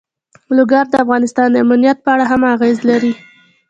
لوگر د افغانستان د امنیت په اړه هم اغېز لري.